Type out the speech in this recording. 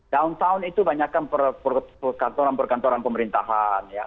downtown itu banyakkan perkantoran perkantoran pemerintahan ya